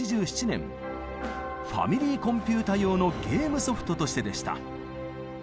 ファミリーコンピュータ用のゲームソフトとしてでした。